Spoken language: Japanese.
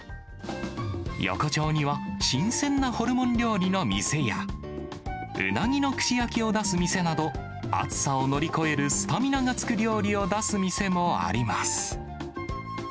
横丁には、新鮮なホルモン料理の店や、うなぎの串焼きを出す店など、暑さを乗り越えるスタミナがつく料理を出す店もあります。